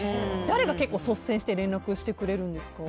誰が結構率先して連絡してくれるんですか？